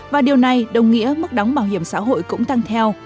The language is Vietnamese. và điều này đồng nghĩa mức đóng bảo hiểm xã hội cũng tăng theo